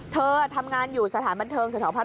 เธอทำงานอยู่สถานบันเทิง